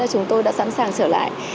chúng tôi đã sẵn sàng trở lại